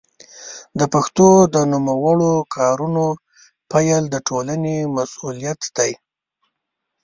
د پښتو د نوموړو کارونو پيل د ټولنې مسوولیت دی.